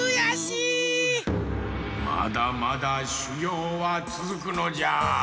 まだまだしゅぎょうはつづくのじゃ。